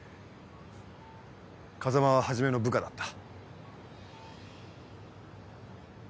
風真は始の部下だった。